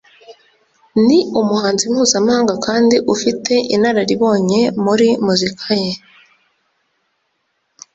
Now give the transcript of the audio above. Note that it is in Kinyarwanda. ni umuhanzi mpuzamahanga kandi ufite inararibonye muri muzika ye